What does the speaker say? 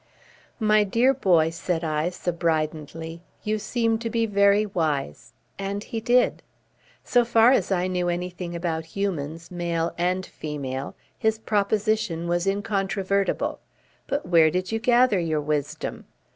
"My dear boy," said I, subridently, "you seem to be very wise." And he did. So far as I knew anything about humans, male and female, his proposition was incontrovertible. "But where did you gather your wisdom?"